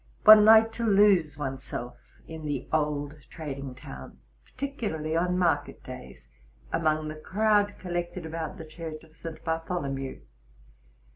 One liked to lose one's self in the old trading town, particularly on market days, among the crowd collected about the church of St. Bartholomew.